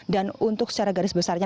dan untuk secara garis besarnya